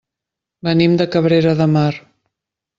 Venim de Cabrera de Mar.